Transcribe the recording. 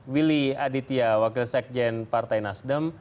willy aditya wakil sekjen partai nasdem